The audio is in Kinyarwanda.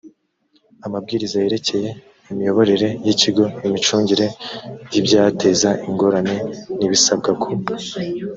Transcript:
amabwiriza yerekeye imiyoborere y ikigo imicungire y ibyateza ingorane n ibisabwa ku